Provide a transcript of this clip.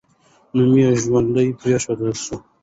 نوم یې ژوندی پرېښودل سو.